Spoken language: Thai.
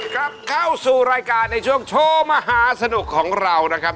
กลับเข้าสู่รายการในช่วงโชว์มหาสนุกของเรานะครับ